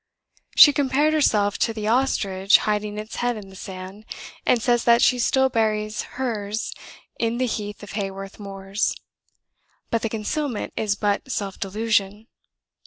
She compared herself to the ostrich hiding its head in the sand; and says that she still buries hers in the heath of Haworth moors; but "the concealment is but self delusion."